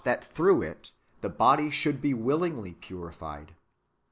that through it the body should be willingly purified.